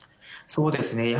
そうですね。